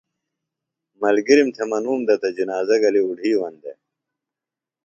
ملگِرِم تھےۡ منُوم دےۡ تہ جِنازہ گلیۡ اُڈھیوَن دےۡ